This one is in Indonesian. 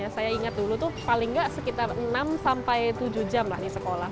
saya ingat dulu tuh paling nggak sekitar enam sampai tujuh jam lah di sekolah